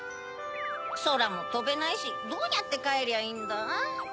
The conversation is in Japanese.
そらもとべないしどうやってかえりゃいいんだ？